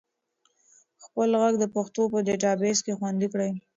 خپل ږغ د پښتو په ډیټابیس کې خوندي کړئ.